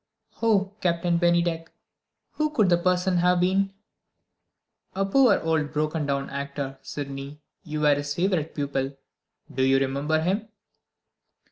"Oh, Captain Bennydeck, who could the person have been?" "A poor old broken down actor, Sydney. You were his favorite pupil. Do you remember him?"